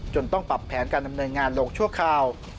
ต้องปรับแผนการดำเนินงานลงชั่วคราว